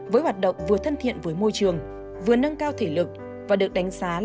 với hoạt động vừa thân thiện với môi trường vừa nâng cao thể lực và được đánh giá là rất văn minh